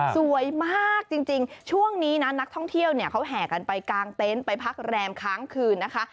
สวยมากจริงช่วงนี้นะนักท่องเที่ยวเนี่ยเขาแห่กันไปกางเต็นต์ไปพักแรมค้างคืนนะคะ